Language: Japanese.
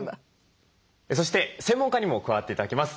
そして専門家にも加わって頂きます。